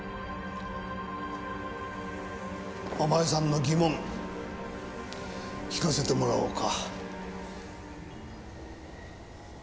お前さんの疑問聞かせてもらおうか。